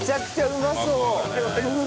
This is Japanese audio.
うまそう。